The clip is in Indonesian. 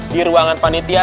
di ruangan panitia